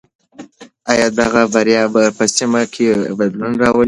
آیا دغه بریا به په سیمه کې بدلون راولي؟